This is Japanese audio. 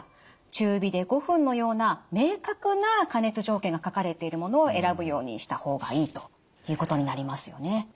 「中火で５分」のような明確な加熱条件が書かれているものを選ぶようにした方がいいということになりますよね。